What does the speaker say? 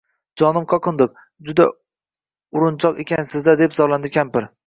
— Jonim qoqindiq, juda urinchoq ekansiz-da! — deb zorlandi kampir.